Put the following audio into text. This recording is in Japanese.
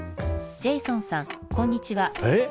ジェイソンさんこんにちは。